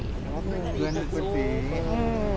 เป็นเพื่อนสุดสี